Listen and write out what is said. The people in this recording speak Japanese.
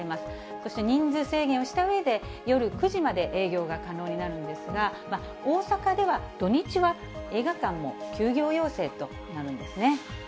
そして人数制限をしたうえで、夜９時まで営業が可能になるんですが、大阪では、土日は映画館も休業要請となるんですね。